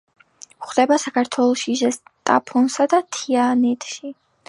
გვხვდება საქართველოშიც, ზესტაფონსა და თიანეთში.